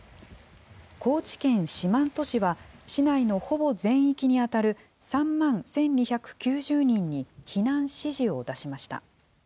高知県四万十市は市内のほぼ全域に当たる３万１２９０人に避難指示を出しました。